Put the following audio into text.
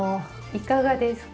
いかがですか？